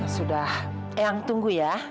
sudah eyang tunggu ya